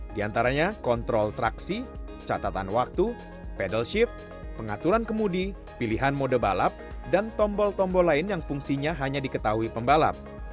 di antaranya kontrol traksi catatan waktu pedal shift pengaturan kemudi pilihan mode balap dan tombol tombol lain yang fungsinya hanya diketahui pembalap